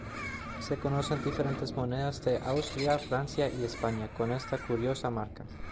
Se conocen diferentes monedas de Austria, Francia y España con esta curiosa marca.